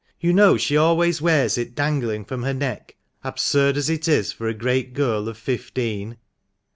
You know she always wears it dangling from her neck, absurd as it is for a great girl of fifteen."